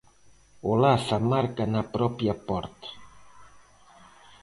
Olaza marca na propia porta.